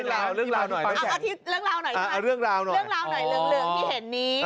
เอาเรื่องราวหน่อยเรื่องราวหน่อยเรื่องเหลืองที่เห็นนี้